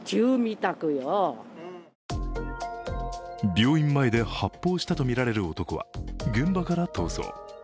病院前で発砲したとみられる男は現場から逃走。